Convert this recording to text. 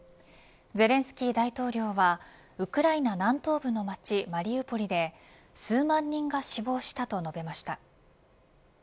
ゼレンスキー大統領はウクライナ南東部の街マリウポリで数万人が死亡したと述べました。